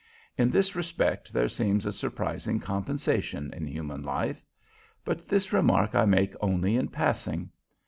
In this respect there seems a surprising compensation in human life. But this remark I make only in passing.